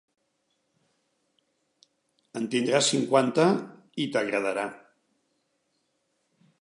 En tindràs cinquanta i t'agradarà!